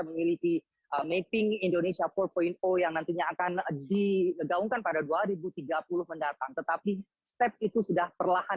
m nailed indonesia empat ratus empat puluh yang nantinya akan laji ngedahukan pada dua ribu tiga puluh tetapi itu sudah perlahan